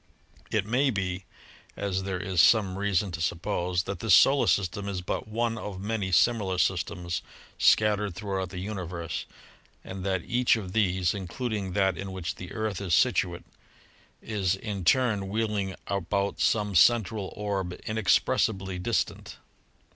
It may be, as there is some reason to suppose, that this Solar System is but one of many similar systems scattered throughout the universe and that each of these — including that in which the Earth is situate — is in turn wheeling about some central orb inexpressibly dis tant.